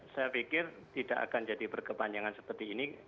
saya pikir tidak akan jadi berkepanjangan seperti ini